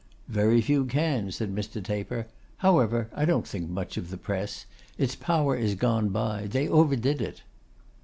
'Very few can,' said Mr. Taper. 'However, I don't think much of the press. Its power is gone by. They overdid it.